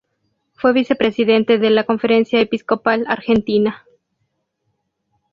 Fue vicepresidente de la Conferencia Episcopal Argentina.